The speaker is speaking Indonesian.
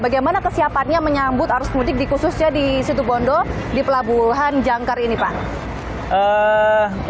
bagaimana kesiapannya menyambut arus mudik khususnya di situ bondo di pelabuhan jangkar ini pak